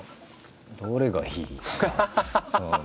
どれがいいか。